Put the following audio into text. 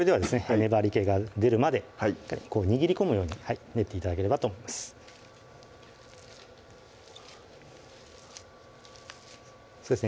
粘りけが出るまでこう握り込むように練って頂ければと思いますそうですね